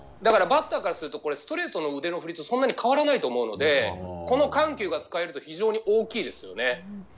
バッターからするとストレートの腕の振りとそんなに変わらないと思うのでこの緩急が使えると非常に大きいですよね。